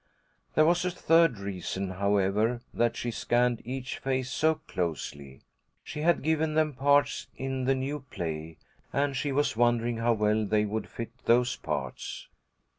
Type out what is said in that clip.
There was a third reason, however, that she scanned each face so closely. She had given them parts in the new play, and she was wondering how well they would fit those parts.